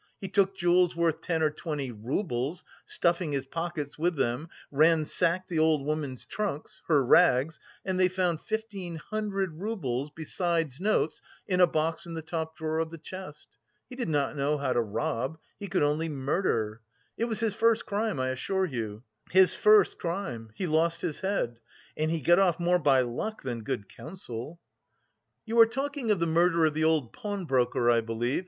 He took jewels worth ten or twenty roubles, stuffing his pockets with them, ransacked the old woman's trunks, her rags and they found fifteen hundred roubles, besides notes, in a box in the top drawer of the chest! He did not know how to rob; he could only murder. It was his first crime, I assure you, his first crime; he lost his head. And he got off more by luck than good counsel!" "You are talking of the murder of the old pawnbroker, I believe?"